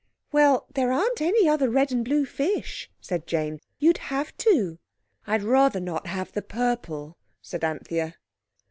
"Well, there aren't any other red and blue fish," said Jane; "you'd have to." "I'd rather not have the purple," said Anthea.